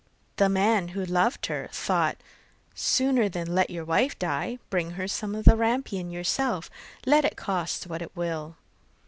The man, who loved her, thought: 'Sooner than let your wife die, bring her some of the rampion yourself, let it cost what it will.